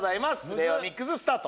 令和ミックススタート！